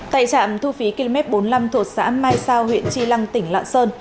tại trạm thu phí km bốn mươi năm thuộc xã mai sao huyện tri lăng tỉnh lạng sơn